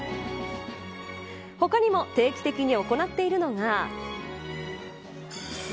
他にも定期的に行っているのが。